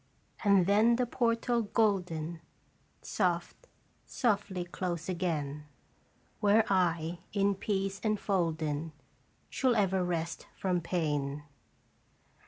* And then the portal golden Soft, softly close again, Where I, in peace enf olden, Shall ever rest from pain.